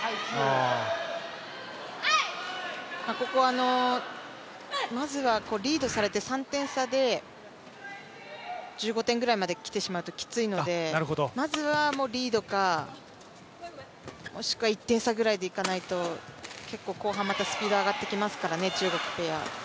ここはまずはリードされて３点差で１５点ぐらいまできてしまうときついのでまずはリードか、もしくは１点差ぐらいでいかないと、結構後半またスピードが上がってきますからね、中国ペア。